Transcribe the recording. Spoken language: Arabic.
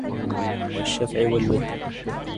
والشفع والوتر